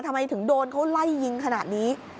ทำไมถึงโดนเขาไล่ยิงขนาดนี้